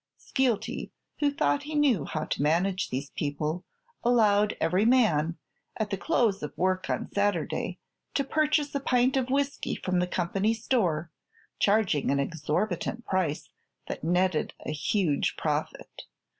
Skeelty, who thought he knew how to manage these people, allowed every man, at the close of work on Saturday, to purchase a pint of whiskey from the company store, charging an exorbitant price that netted a huge profit.